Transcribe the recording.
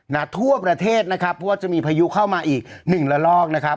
ทั่วประเทศนะครับเพราะว่าจะมีพายุเข้ามาอีกหนึ่งละลอกนะครับ